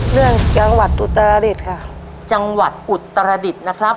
เรื่องจังหวัดอุตรฐรดิตค่ะจังหวัดอุตรฐรดิตนะครับ